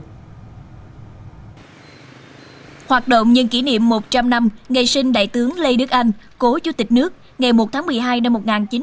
hoạt động nhân kỷ niệm một trăm linh năm ngày sinh đại tướng lê đức anh cố chủ tịch nước ngày một tháng một mươi hai năm một nghìn chín trăm bảy mươi